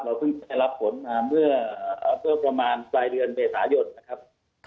เราเพิ่งจะได้รับผลมาเมื่อประมาณ๓เดือนเบสายนนะครับ